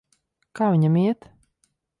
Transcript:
Kā viņam iet?